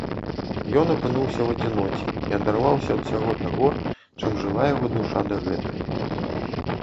Ён апынуўся ў адзіноце і адарваўся ад усяго таго, чым жыла яго душа дагэтуль.